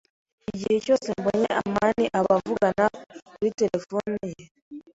Igihe cyose mbonye amani, aba avugana kuri terefone ye.